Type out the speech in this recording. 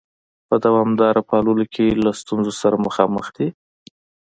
په دوامداره پاللو کې له ستونزو سره مخامخ دي؟